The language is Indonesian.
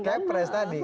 kayak pres tadi